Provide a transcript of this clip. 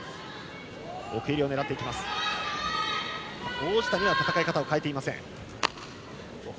王子谷は戦い方を変えていません。